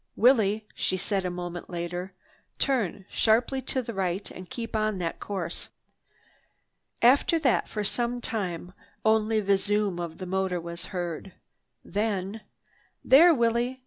"Willie," she said a moment later, "turn sharply to the right and keep up that course." After that for some time only the zoom of the motor was heard. Then— "There, Willie!